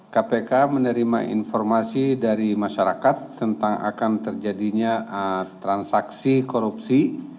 kpk menerima informasi dari masyarakat tentang akan terjadinya transaksi korupsi